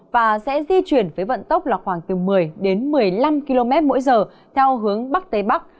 và sẽ di chuyển với vận tốc là khoảng từ một mươi đến một mươi năm km mỗi giờ theo hướng bắc tây bắc